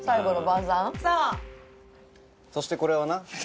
そしてこれはな